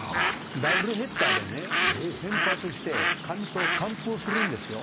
ダブルヘッダーでね先発して完投・完封するんですよ。